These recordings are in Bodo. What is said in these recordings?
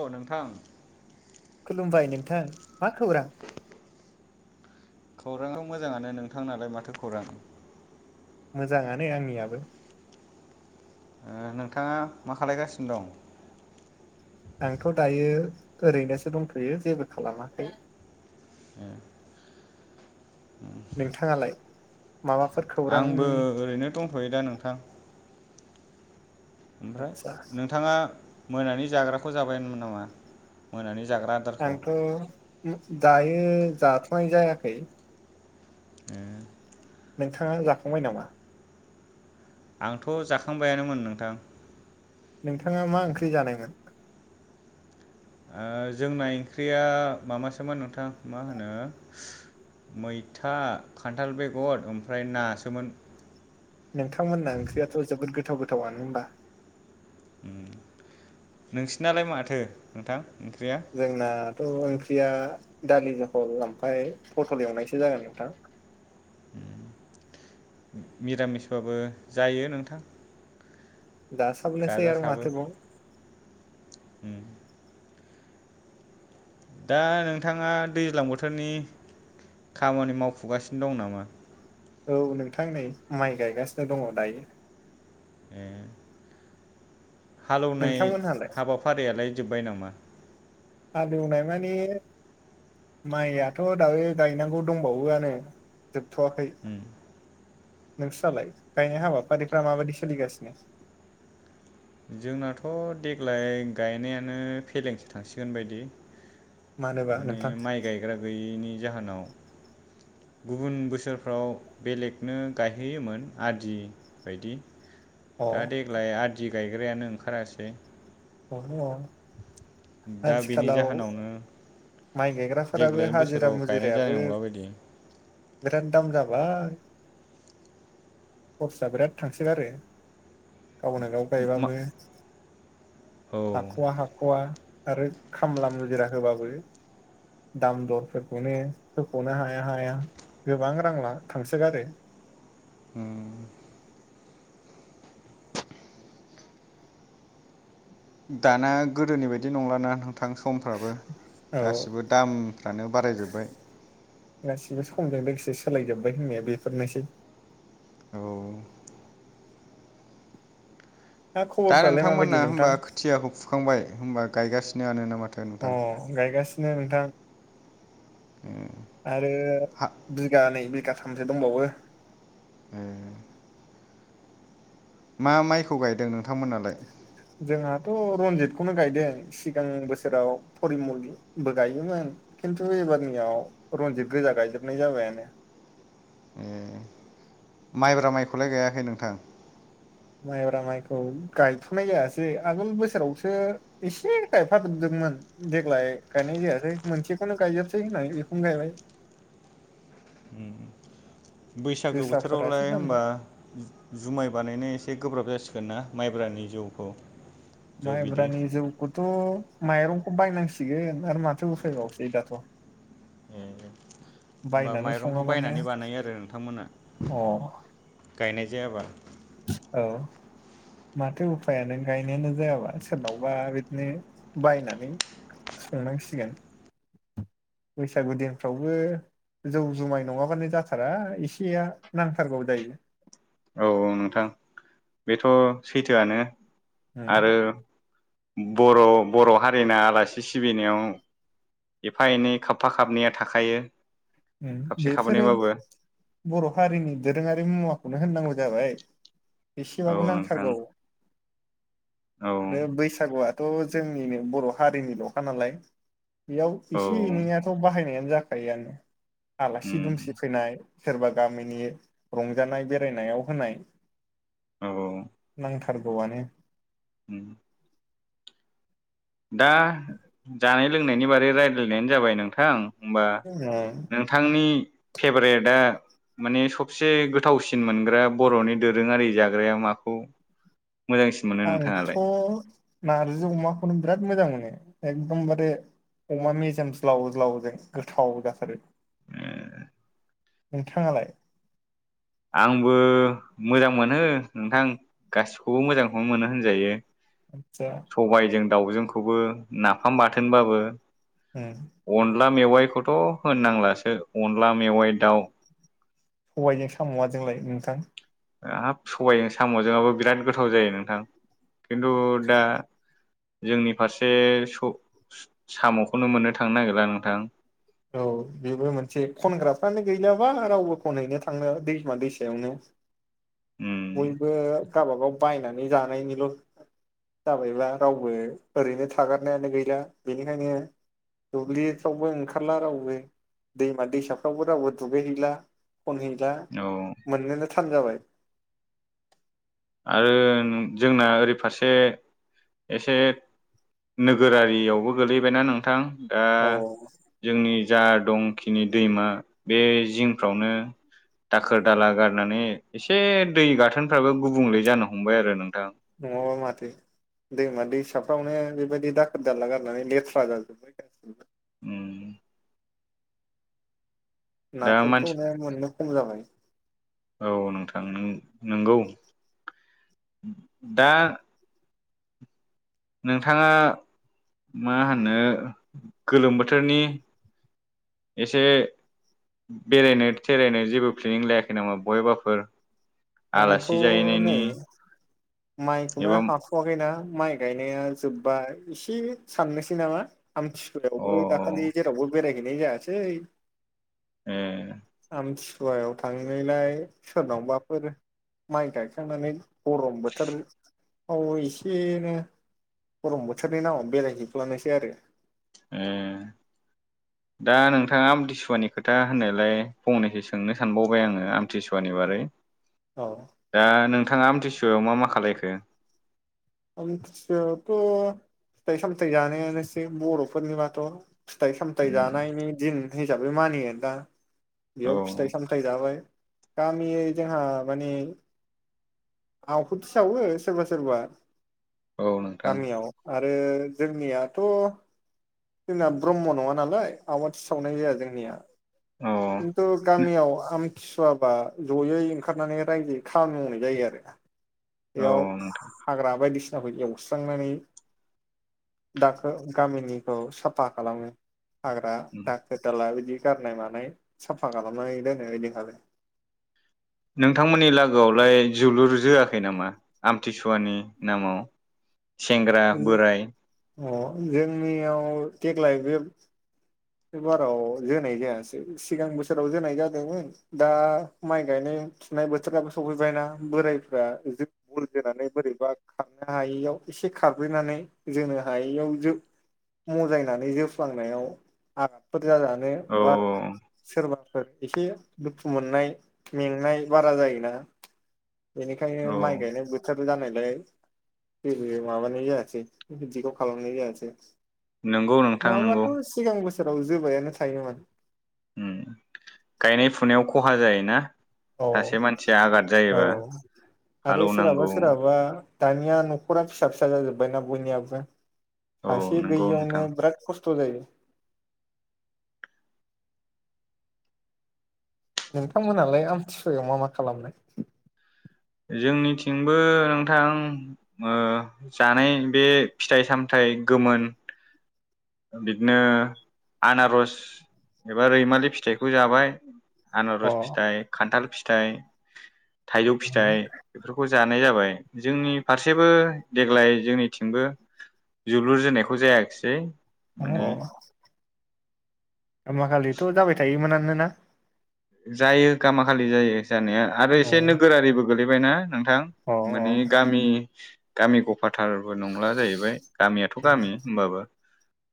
औ नोंथां खुलुमबाय नोंथां मा खौरां खौरांथ मोजांङानो नोंथांनालाय माथो खौरां मोजांङानो आंनियाबो ओ नोंथाङा मा खालायगासिनो दं आंथ दायो ओरैनोसो दंथयो जेबो खालामाखै ए नोंथाङालाय माबाफोर आंबो खौरांनि ओरैनो दंथयो दा नोंथां ओमफ्राय आदसा नोंथाङा मोनानि जाग्राखौ जाबायमोन नामा मोनानि जाग्रा आदारखौ आंथ ओ दायो जाथनाय जायाखै ए नोंथांङा जाखांबाय नामा आंथ जाखांबायानोमोन नोंथां नोंथांङा मा ओंख्रि जानायमोन ओ जोंना ओंख्रिया माबासोमोन नोंथां मा होनो मैथा खान्थाल बेगर ओमफ्राय नासोमोन नोंथांमोनना ओंख्रियाथ जोबोद गोथाव गोथावानो होमबा [inaudible] ओं नोंसिनालाय माथो नोंथां ओंख्रिया जोंनाथ ओं या दालि जहल ओमफाय पटल एवनायसो जागोन नोंथां निरामिसबाबो जायो नोंथां दासाबलायसै आरो जाजासाबो माथो बाव उम दा नोंथाङा दैज्लां बोथोरनि खामानि मावफुगासिनो दं नामा औ नोंथां नै माइ गायगासिनो दंङ दायो ए हालौनाय नोंथांमोनहालाय हाबाफारियालाय जोब्बाय नामा हालौनाय माने माइयाथ दायो गायनांगौ दंबावोआनो जोबथयाखै उम नोंस्रालाय गायनाय हाबाफारिफ्रा माबायदि सोलिगासिनो जोंनाथ देग्लाय गायनायानो फेलेंसो थांसिगोन बायदि मानोबा माने नोंथां माइ गायग्रा गैयैनि जाहोनाव गुबुन बोसोरफ्राव बेलेगनो गायहोयोमोन आदि बायदि। अ दा देग्लाय आदि गायग्रायानो ओंखारासै। [inaudible] दा बेनि आथिखालाव जाहोनावनो माइ गायग्राफोराबो देग्लायनि हाजिरा बोसोराव गायनाय मुजिरायाबो जानाय नंला बायदि बिराद दाम जाबाय। खरसा बिराद थांसोगारो। गावनो गाव मा गायबाबो औ हाखवा हाखवा। आरो खामला मुजिरा होबाबो दाम दरफोरखौनो होख'नो हाया-हाया। गोबां रां ला थांसोगारो। ओम। दाना गोदोनि बायदि नंलाना थां समफ्राबो औ गासिबो दामफ्रानो बारायजोब्बाय। गासिबो समजों लोगोसे सोलायजोबबाय होननाया बेफोरनोसै। औ। दा खबरफ्रालाय माबायदि नोंथांमोना नोंथां होमबा खोथियाखौ फुखांबाय होमबा गायगासिनोआनो ना माथो अ नोंथां? गायगासिनो नोंथां। [unintelligible] ए आरो हा बिगानैै बिगाथामसो दंबावो। ओम। मा माइखौ गायदों नोंथांमोनालाय? जोंहाथ' रनजितखौनो गायदों सिगां बोसोराव फरिमलबो गायोमोन। खिन्थु एबारनियाव रनजित गोजा गायजोबनाय जाबायानो। ए माइब्रा माइखौलाय गायाखै नोंथां? माइब्रा माइखौ गायथ'नाय जायासै आगोल बोसोरावसो एसे गायफादोबदोब मोन देग्लाय गायनाय जायासै मोनसेखौनो गायजोबसै होननानै बेखौनो गायबाय। उम। बैसागो जोसाफोरासो बोथोरावलाय दङ होमबा जुमाय बानायनाय एसे गोब्राब जासि गोनना माइब्रानि जौखौ? जौ बिदै माइब्रानि जौखौथ' माइरंखौ बायनांसिगोन। आरो माथो उफायबावसै दाथ'। ए। होमबा बायनानै माइरंखौ सङाबानो बायनानै बानायो आरो नोंथांमोना अ गायनाय जायाबा? औ। माथो उफायानो गायनायानो जायाबा सोरनावबा बिदिनो बायनानै संनांसिगोन बैसागु दिनफ्रावबो जौ जुमाय नङाब्लानो जाथारा इसेया नांथारगौ दायो। औ-औ नोंथां बेथ' सैथोआनो उम आरो बर' बर' हारिना आलासि सिबिनायाव एफा एनै खाबफा खाबनैया थाखायो। खाबसे बेफोरो खाबनैबाबो बर' हारिनि दोरोङारि मुवाखौनो होननांगौ जाबाय औ एसेबाबो नोंथां नांथारगौ। औ आरो बैसागुआथ' जोंनिनो बर' हारिनिल'खा नालाय। बेयाव औ एसे एनैआथ' बाहायनायानो जाखायोआनो आलासि दुमसि फैनाय सोरबा गामिनि रंजानाय बेरायनायाव होनाय। औ-औ। गवानो। उम। दा जानाय लोंनायनि बारै रायज्लायनायानो जाबाय नोंथां। होबा ओ नोंथांनि फेभरेटआ माने सबसे गोथावसिन मोनग्रा बरनि दोरोङारि जाग्राया माखौ मोजांसिन मोनो आंथ नोंथाङालाय नारजि अमाखौनो बिराद मोजां मोनो एखदमबारे अमा मेजेम ज्लाव ज्लावजों गोथाव जाथारो। नोंथांङालाय? आंबो मोजां मोनो नोंथां गासिबखौबो मोजांखौनो मोनो होनजायो। आदसा सबायजों दाउजोंखौबो नाफाम बाथोनबाबो। ओम। अनला मेवाइखौथ होननांलासो अनला मेवाइ दाउ सबायाइजों सामआ जोंलाय नोंथां हाब सबायजों सामजोंहाबो बिराद गोथाव जायो नोंथां खिन्थु दा जोंनि फारसे स सामखौनो मोननो थांनो नागिरा नोंथां। औ बेबो मोनसे खनग्राफ्रानो गैलााबा रावबो खनहैनो थांला दैमा दैसायावनो। [inaudible] बयबो गावबागाव बायनानै जानायनिल जाबायब्ला रावबो ओरैनो थागारनायानो गैला बेनिखायनो दुब्लिफ्रावबो ओंखारला रावबो दैमा दैसाफ्रावबो रावबो दुगैहैला फनहैला औ मोननोनो थान जाबाय। आरो जोंना ओरै फारसे एसे नोगोरारियावबो गोलैबायना नोंथां दा अ जोंनि जा दंखिनि दैमा बे जिंफ्रावनो दाखोर दाला गारनानै एसे दै गाथोनफ्राबो गुबुंले जानो हमबाय आरो नोंथां। नङाबा माथो। दैमा दैसाफ्रावनो बेबायदि दाखोर दाला गारनानै लेथ्रा जाजोब्बाय गासिबो। उम। दा मानसि नाफोरखौनाय मोननो ख जाबाय औ नोंथां नों नंगौ दा। नोंथाङा मा होनो गोलोम बोथोरनि एसे। बेरायनो थेरायनो जेबो प्लेनिं लायाखै नामा बयबाफोर आंथ नै माइखौनो एबा हाथवाखैना माइ गायनाया जोब्बा एसे साननोसै नामा। अ आमथिखुवायावबो दाखालि जेरावबो बेरायहैनाय जायासै ए। सुवायाव थांनायलाय सोरनावबाफोर माइ गायखांनानै गरम बोथोर औ एसेनो गरम बोथोरनि नामाव बेरायजोबफ्लानोसै आरो। ओम। दा नोंथाङा आमथिसुवानि खोथा होननायलाय फंनैसो सोंनो सानबावबाय आङो आमथिसुवानि बारै औ दा नोंथाङा आमथिसुयाव मा मा खालायखो आमथि सुयायाथ फिथाय समोमथय जानायसे बरफोरनि बाथ फिथाइ सामथायाइ जानायनि दिन हिसाबै मानियो दा औ बेयाव फिथाइ सामथायाइ जाबाय गामियै जोंहा मानि आहुथि सावो सोरबा सोरबा औ नोंथां! गामियाव आरो जोंनियाथ जोंना ब्रह्म नङा नालाय आवाथि सावनाय जाया जोंनिया औ खिथु गामियाव आम सुवाबा जयै ओंखारनानै रायजोै खामानि मावनाय जायो आरो। औ बेयाव नोंथां हाग्रा बायदिसिना जायगाखौ एवस्रांनानै दाखो गामिनिखौ साफा खालामो। हाग्रा दाखो दाला बिदि गारनाय मानाय। साफा खालामनानै दोनो ओइदिनखालि नोंथांमोननि लागोआवलाय जोलुर जोआखै नामा आमथिसुवानि नामाव? सेंग्रा बोराय। अ' जोंनियाव देग्लाय बे बे बाराव जोनाय जायासै सिगां बोसोराव जोनाय जादोंमोन दा माइ गायनाय थिनाय बोथोराबो सफैबायना बोरायफ्रा जों बुरजोनानै बोरैबा खारनो हायियाव। एसे खारब्रेनानै जोनो हायियाव जो मजायनानै जोफ्लांनायाव [unintelligible] जा जानो औ बा सोरबा फोर एसे दुखु मोननाय मेंनाय बारा जायोना। बेनिखायनो औ माइ गायनाय बोथोर जानायलाय जेबो माबानाय जायासै बिदिखौ खालामनाय जायासै। नंगौ नोंथां नंगौ नङाबाथ' सिगां बोसोराव जोबायानो थायोमोन। उम गायनाय फुनायाव खहा जायोना। अ सासे मानसिया आघाद औ जायोबा आरो सोरहाबा हालौनांगौ सोरहाबा दानिया न'खरा फिसा फिसा जाजोबबायना बयनियाबो औ सासे नंगौ नोंथां गैयियावनो बिराद खस्थ थ' जायो। नोंथांमोनहालाय आमथिसुवायाव मा मा खालामनाय? जोंनिथिंबो नोंथां ओ जानाय बे फिथाइ सामथाइ गोमोन बिदिनो आनारस एबा रैमालि फिथाइखौ जाबाय। अ आनारस फिथाइ, खान्थाल फिथाइ, थाइजौ फिथाइ बेफोरखौ जा नाय जाबाय जोंनि फारसेबो देग्लाय जोंनिथिंबो जोलुर जोनायखौ जायाखिसै। औ माने [unintelligible] गामाखालिथ'जाबाय थायोमोनानोना? जायो गामाखलि जायो जानाया आरो अ एसे नोगोरारिबो गोलैबायना। थां अ माने गामि गामि गफाथारबो नंला जाहैबाय। गामियाथ' गामि होमबाबो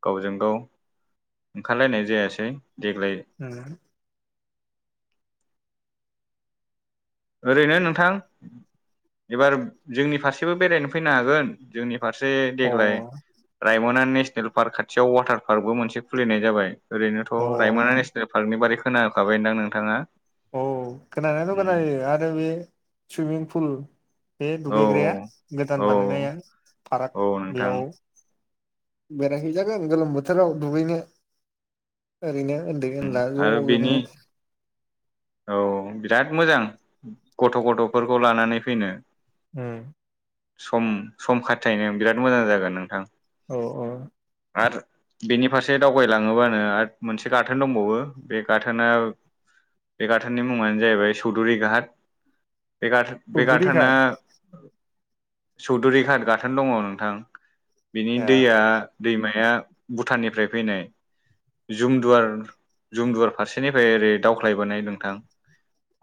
गावजों गाव ओंखारलायनाय जायासै। देग्लाय ओरैनो नोंथां एबार जोंनि फारसेबो बेरायनो फैनो हागोन जोंनि फारसे अ देग्लाय रायम'ना नेसनेल पार्क खाथियाव वाटार पार्कबो मोनसे खुलिनाय जाबाय। ओरैनोथ' अ रायम'ना नेसनेल पार्कनि बारै खोनाखाबायदा नोंथाङा? औ खोनानायाथ' खोनायो आरो बे सुइमिं फुल बे औ दुगैग्राया गोदान औ बानायनाया फाराग औ नोंथां बेयाव बेरायहैजागोन गोलोम बोथोराव दुगैनो ओरैनो उन्दै उनला ज' आरो बेनि बेवनो। औ बिराद मोजां गथ' गथ'फोरखौ लानानै फैनो। उम सम सम खाथायनो बिराद मोजां जागोन नोंथां। औ औ। आरो बेनि फारसे दावगालाङोबानो आरो मोनसे गाथोन दंबावो बे गाथोनआ बे गाथोननि मुङानो जाहैबाय चौधुरि घाट। बे गाथोन चौधुरि बेगाथोना घाट चौधुरिघाट गाथोन दङ नोंथां बिनि ए दैया दैमाया भुटाननिफ्राय फैनाय। जुमदुवार जुमदुवार फारसेनिफ्राय ओरै दावख्लायबोनाय नोंथां।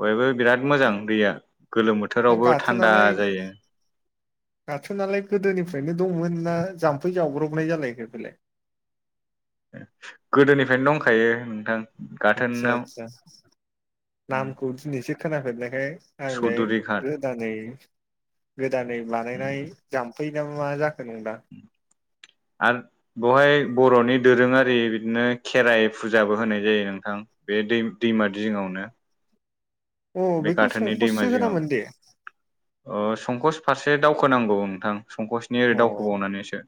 बयबो बिराद मोजां दैया गोलोम बोथोरावबो थान्दा जायो। गाथोननालाय गोदोनिफ्रायनो दंमोन ना जाम्फै जावब्रबनाय जालायखो बेलाय? गोदोनिफ्रायनो दंखायो नोंथां। आतसा गाथोनाव आतसा। नामखौ दिनैसो खोनाफेरनायखाय आंलाय चौधुरि घाट गोदानै गोदानै बानायनाय जाम्फै ना मा जाखो नंदा। [inaudible] आरो बवहाय बर'नि दोरोङारि बिदिनो खेराइ फुजाबो होनाय जायो नोंथां। बे दै दैमा जिङावनो। अ बे बेखौ गाथोननि संकससो होनामोन दे। अ संकस फारसे दावखोनांगौ नोंथां संकसनि ओरै अ दावखोबावनानैसो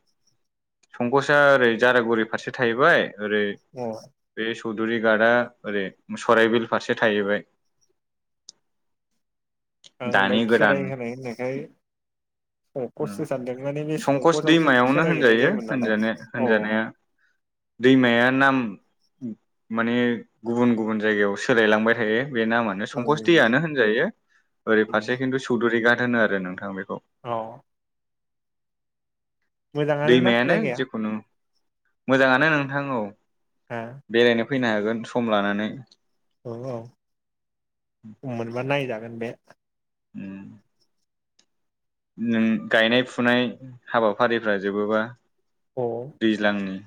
संकसआ ओरै जारागुरि फारसे थाहैबाय ओरै अ बे चौधुरि गार्डआ ओरै सराइबिल फारसे थाहैबाय। आं दा दानि गोदान खेराइ होनाय होननायखाय संकज उम सो सानदों माने बे संकस संकसआवसो दैमायावनो खेराइ हैैनाय होनजायो जायोमोन नालाय होनजानाया औ औ होनजानाया दैमाया नाम माने गुबुन गुबुन जायगायाव सोलायलांबाय थायो बे नामानो। संकस ओम दैयानो होनजायो ओरै फारसे खिन्थु सौधुरि गाट होनो आरो नोंथां बे औ मोजाङानो ना दैमायानो जायगाया जिखुनु मोजाङानो नोंथां औ आ बेरायनो फैनो हागोन सम लानानै। औ औ मोनबा नायजागोन बे। उम नै गायनाय फुनाय हाबाफारिफ्रा जोबोबा अ दैज्लांनि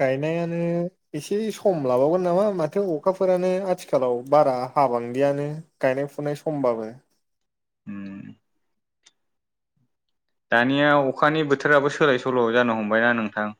गायनायानो एसे सम लाबावगोन नामा माथो अखाफोरानो आथिखालाव बारा हाबांदियानो गायनाय फुनाय समबाबो। उम दानिया अखानि बोथोराबो सोलाय सोल' जानो हमबायना नोंथां।